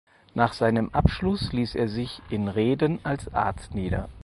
Nach seinem Abschluss ließ er sich in Rheden als Arzt nieder.